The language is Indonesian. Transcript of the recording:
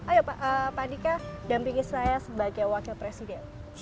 ayo pak andika dampingi saya sebagai wakil presiden